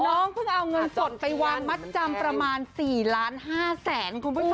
เพิ่งเอาเงินสดไปวางมัดจำประมาณ๔ล้าน๕แสนคุณผู้ชม